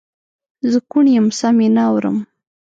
زه کوڼ یم سم یې نه اورم